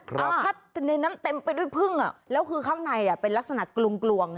ถ้าในนั้นเต็มไปด้วยพึ่งแล้วคือข้างในเป็นลักษณะกลวง